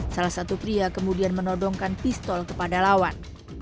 salah satu pria kemudian menodongkan pistol kepada lawan